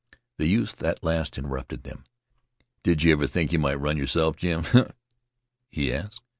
The youth at last interrupted them. "Did you ever think you might run yourself, Jim?" he asked.